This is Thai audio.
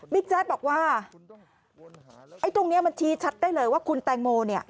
บิ๊กแจ๊ดบอกว่าตรงนี้มันชี้ชัดได้เลยว่าคุณแตงโม